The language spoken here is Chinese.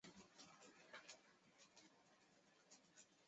其实他几乎把台湾其他的人都钉上了十字架。